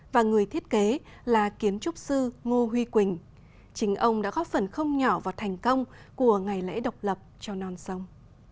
và người thiết kế là kiến trúc sư ngô huy quỳnh chính ông đã góp phần không nhỏ vào thành công của ngày lễ độc lập cho non sông